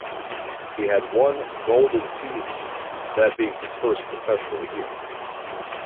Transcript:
He had one "golden" season-that being his first professional year.